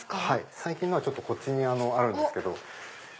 最近のはこっちにあるんです。